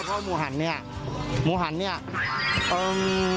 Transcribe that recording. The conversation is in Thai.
เพราะว่ามัวหันนี่มัวหันนี่